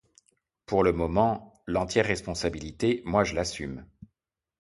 Pour le moment, l’entière responsabilité, moi je l’assume.